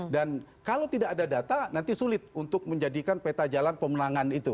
dan kalau tidak ada data nanti sulit untuk menjadikan peta jalan pemenangan itu